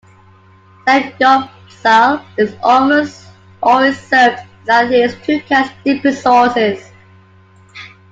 "Samgyeopsal" is almost always served with at least two kinds of dipping sauces.